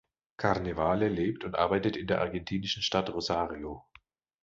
Carnevale lebt und arbeitet in der argentinischen Stadt Rosario.